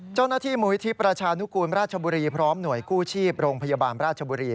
เจ้าหน้าที่มูลิธิประชานุกูลราชบุรีพร้อมหน่วยกู้ชีพโรงพยาบาลราชบุรี